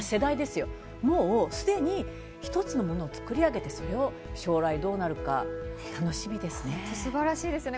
もうすでに一つのものを作り上げて、将来どうなるか楽しみですね。